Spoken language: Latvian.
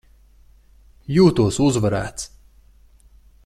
Jūtos uzvarēts.